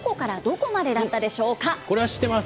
これは知ってます。